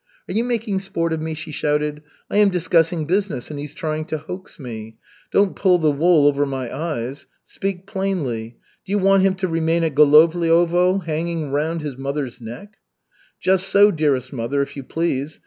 "Are you making sport of me?" she shouted. "I am discussing business, and he's trying to hoax me. Don't pull the wool over my eyes. Speak plainly. Do you want him to remain at Golovliovo, hanging around his mother's neck?" "Just so, dearest mother, if you please.